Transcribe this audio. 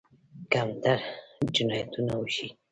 کمتر جنایتونه وشي.